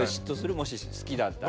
もし好きだったら。